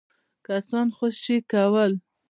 کسان خوشي کول.